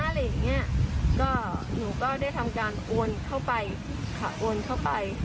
อะไรอย่างเงี้ยก็หนูก็ได้ทำการโอนเข้าไปค่ะโอนเข้าไป